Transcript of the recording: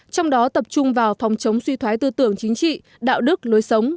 trong đó tập trung vào phòng chống suy thoái tư tưởng chính trị đạo đức lối sống